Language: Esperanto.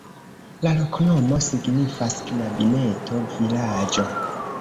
La loknomo signifas: knabineto-vilaĝo.